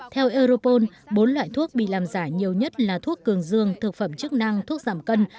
theo europol bốn loại thuốc bị làm giả nhiều nhất là thuốc cường dương thực phẩm chức năng thuốc giảm cân